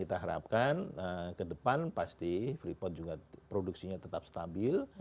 kita harapkan kedepan pasti freeport juga produksinya tetap stabil